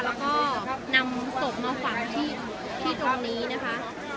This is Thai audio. แล้วก็นำศพมาฝังที่ตรงนี้นะคะ